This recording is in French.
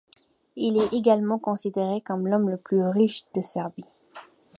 Il est également considéré comme l'homme le plus riche de Serbie.